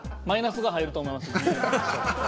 マイナスが入ると思います。